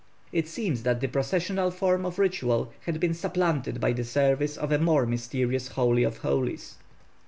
It seems that the processional form of ritual had been supplanted by the service of a more mysterious Holy of Holies.